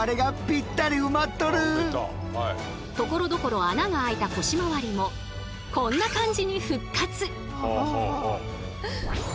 ところどころ穴が開いた腰回りもこんな感じに復活！